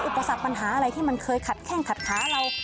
อุปสรรคปัญหาอะไรที่มันเคยขัดแข้งขัดขาเรา